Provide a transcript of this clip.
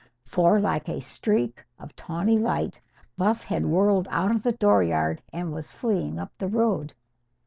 For, like a streak of tawny light, Buff had whirled out of the dooryard and was fleeing up the road.